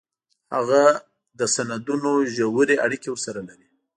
هغه له سندونو ژورې اړیکې ورسره لري